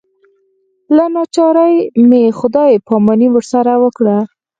له ناچارۍ مې خدای پاماني ورسره وکړه.